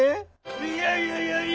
いやいやいやいや。